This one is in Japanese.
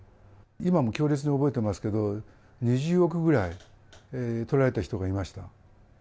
今も強烈に覚えてますけども、２０億ぐらいとられた人がいました。